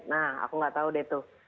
nah aku gak tau deh tuh